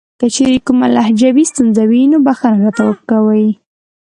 کچېرې کومه لهجوي ستونزه وي نو بښنه راته کوئ .